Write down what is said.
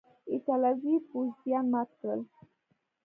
ایټالوي پوځیان مات کړل.